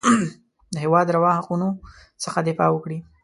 د هېواد روا حقونو څخه دفاع وکړي.